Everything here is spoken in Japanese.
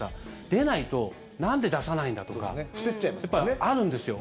出ないとなんで出さないんだとかあるんですよ。